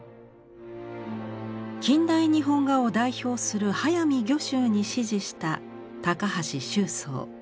近代日本画を代表する速水御舟に師事した高橋周桑。